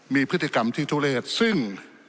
มีพฤติกรรมที่ทุเลศซึ่ง